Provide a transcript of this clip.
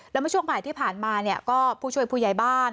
แล้วเมื่อช่วงบ่ายที่ผ่านมาเนี่ยก็ผู้ช่วยผู้ใหญ่บ้าน